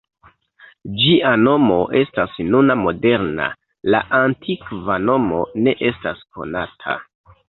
Ĝia nomo estas nuna moderna, la antikva nomo ne estas konata.